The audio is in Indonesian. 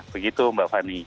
begitu mbak fanny